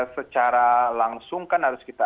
secara langsung kan harus kita